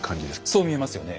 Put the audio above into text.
そう見えますよね。